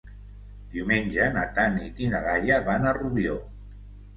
Diumenge na Tanit i na Laia van a Rubió.